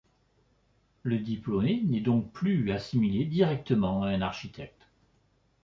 Le diplômé n'est donc plus assimilé directement à un architecte.